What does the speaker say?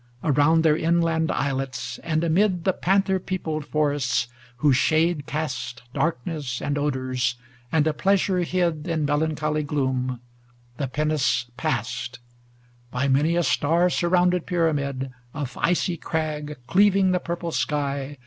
Around their inland islets, and amid The panther peopled forests, whose shade cast Darkness and odors, and a pleasure hid In melancholy gloom, the pinnace passed; By many a star surrounded pyramid Of icy crag cleaving the purple sky.